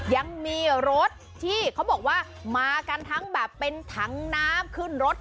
ยังมีรถที่เขาบอกว่ามากันทั้งแบบเป็นถังน้ำขึ้นรถ